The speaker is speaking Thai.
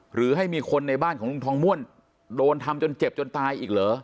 หรือให้มีคนในบ้านของลุงทองม่วนโดนทำจนเจ็บจนตายอีกเหรอ